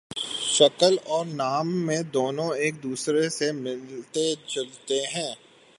شکل اور نام میں دونوں ایک دوسرے سے ملتے جلتے ہیں